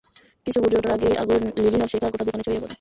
কিছু বুঝে ওঠার আগেই আগুনের লেলিহান শিখা গোটা দোকানে ছড়িয়ে পড়ে।